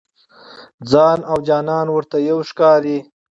ځان او جانان یو ورته ښکاري.